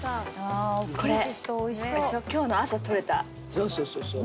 そうそうそうそう。